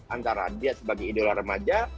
antara dia sebagai idola remaja